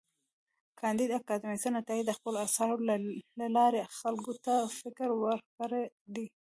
کانديد اکاډميسن عطايي د خپلو اثارو له لارې خلکو ته فکر ورکړی دی.